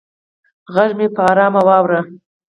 غږ مې په ارامه واوره